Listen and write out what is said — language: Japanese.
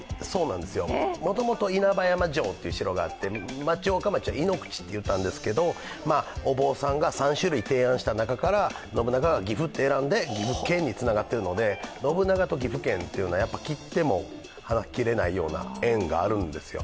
もともと稲葉山城という城があって城下町はイノクチといったんですけど、お坊さんが３種類提案した中から信長が「岐阜」と選んで岐阜県につながっているので信長と岐阜県は切っても切れないような縁があるんですよ。